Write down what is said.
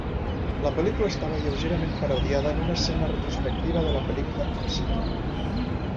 La pel·lícula estava lleugerament parodiada en una escena retrospectiva de la pel·lícula Top Secret!